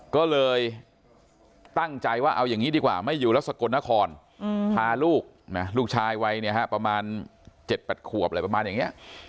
ก็เลยตั้งใจว่าเอาอย่างนี้ดีกว่าไม่อยู่แล้วสกลนครพาลูกนะลูกชายวัยเนี่ยฮะประมาณ๗๘ขวบอะไรประมาณอย่างนี้